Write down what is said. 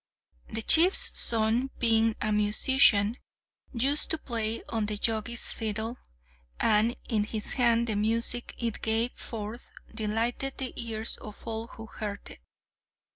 The chief's son, being a musician, used to play on the Jogi's fiddle, and in his hands the music it gave forth delighted the ears of all who heard it.